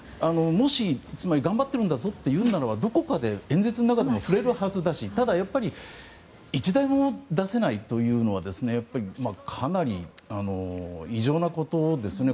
もし頑張ってるんだぞというならばどこかで演説の中でも触れるはずだしただ、１台も出せないというのはかなり異常なことですね。